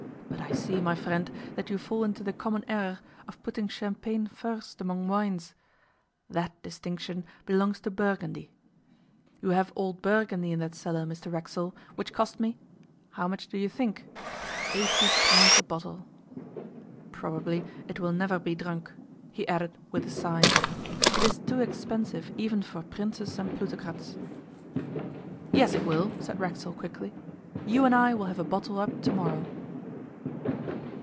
But I see, my friend, that you fall into the common error of putting champagne first among wines. That distinction belongs to Burgundy. You have old Burgundy in that cellar, Mr Racksole, which cost me how much do you think? eighty pounds a bottle. Probably it will never be drunk,' he added with a sigh. 'It is too expensive even for princes and plutocrats.' 'Yes, it will,' said Racksole quickly. 'You and I will have a bottle up to morrow.